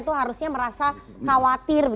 itu harusnya merasa khawatir